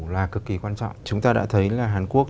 là cực kỳ quan trọng chúng ta đã thấy là hàn quốc